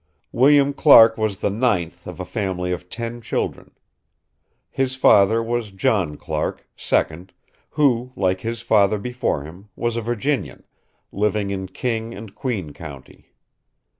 William Clark was the ninth of a family of ten children. His father was John Clark, second, who, like his father before him, was a Virginian, living in King and Queen County.